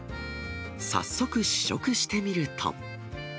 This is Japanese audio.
早速試食してみると。